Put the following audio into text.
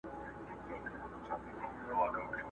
لکه ګُل د کابل حورو به څارلم.!